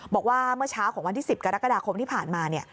บอกว่าเมื่อเช้าของวันที่๑๐กรกฎาคมที่ผ่านมาเนี่ย